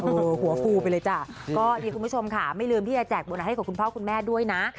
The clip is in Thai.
โอ้โหหัวฟูไปเลยจ้ะก็ดีคุณผู้ชมค่ะไม่ลืมที่จะแจกบุญอะไรให้กับคุณพ่อคุณแม่ด้วยนะ